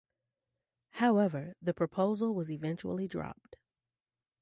However, the proposal was eventually dropped.